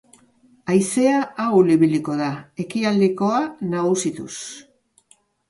Haizea ahul ibiliko da, ekialdekoa nagusituz.